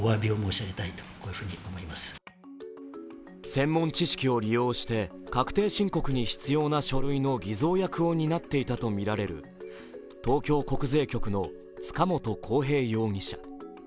専門知識を利用して、確定申告に必要な書類の偽造役を担っていたとみられる東京国税局の塚本晃平容疑者。